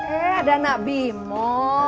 eh ada anak bimo